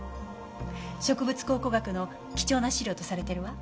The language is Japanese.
植物考古学の貴重な資料とされているわ。